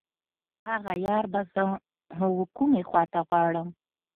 هغه یار به زه و کومې خواته غواړم.